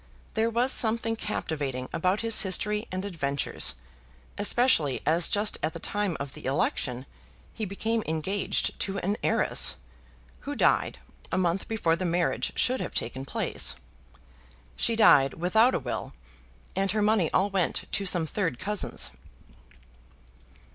There was something captivating about his history and adventures, especially as just at the time of the election he became engaged to an heiress, who died a month before the marriage should have taken place. She died without a will, and her money all went to some third cousins.